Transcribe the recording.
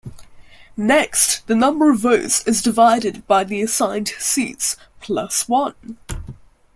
Next, the number of votes is divided by the assigned seats "plus one".